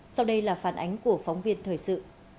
sau đây là phản ánh của phóng viên thời sự